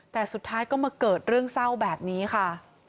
แต่สุดท้ายก็มาเกิดเรื่องเศร้าแบบนี้ค่ะ